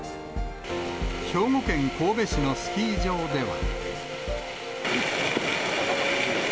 兵庫県神戸市のスキー場では。